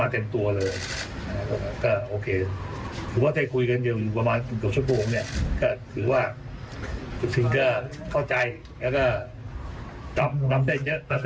ข้อมูลจะไปคุยที่พวกเขาเองให้โอเค